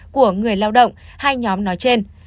của người lao động hai nhóm nói trên